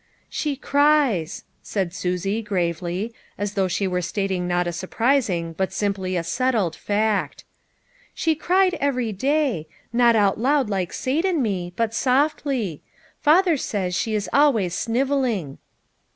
" She cries," said Susie gravely, as though she were stating not a surprising hut simply a settled fact ;" she cried every day : not out loud like Sate and me, but softly. Father says she is always sniveling."